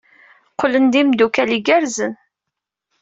Qqlen d imeddukal igerrzen.